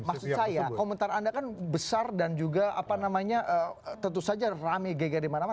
maksud saya komentar anda kan besar dan juga apa namanya tentu saja rame geger dimana mana